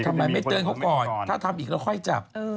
ทำไมไม่เตือนเขาก่อนถ้าทำอีกแล้วค่อยจับ